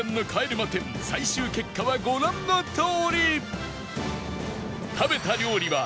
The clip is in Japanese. ま１０最終結果はご覧のとおり